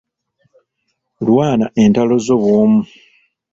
Lwana entalo zo bw'omu.